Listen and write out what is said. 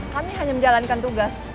kami hanya menjalankan tugas